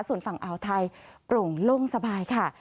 ส่วนฝั่งอ่าวไทยโปร่งโล่งสบายค่ะ